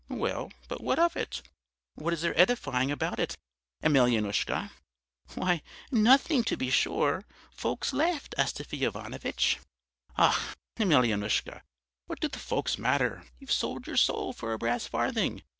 "'Well, but what of that? What is there edifying about it, Emelyanoushka?' "'Why, nothing, to be sure. Folks laughed, Astafy Ivanovitch.' "'Ach, Emelyanoushka! What do the folks matter? You've sold your soul for a brass farthing!